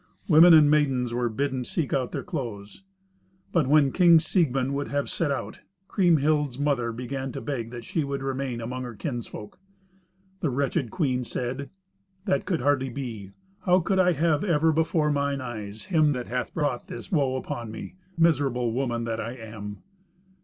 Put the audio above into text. Women and maidens were bidden seek out their clothes. But when King Siegmund would have set out, Kriemhild's mother began to beg that she would remain among her kinsfolk. The wretched queen said, "That could hardly be. How could I have ever before mine eyes him that hath brought this woe upon me, miserable woman that I am?"